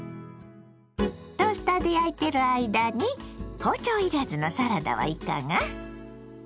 トースターで焼いてる間に包丁いらずのサラダはいかが。